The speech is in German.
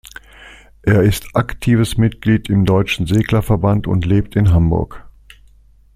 Er ist aktives Mitglied im Deutschen Segler-Verband und lebt in Hamburg.